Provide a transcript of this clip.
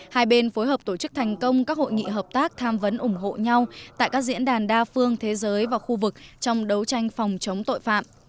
hai bên phối hợp tổ chức thành công các hội nghị hợp tác tham vấn ủng hộ nhau tại các diễn đàn đa phương thế giới và khu vực trong đấu tranh phòng chống tội phạm